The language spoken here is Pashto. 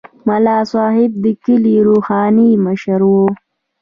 ملا صاحب د کلي روحاني مشر وي.